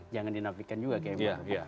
jangan dinafikan juga kayaknya